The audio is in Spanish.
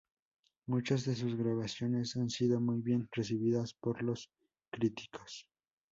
Muchas de sus grabaciones han sido muy bien recibidas por los críticos.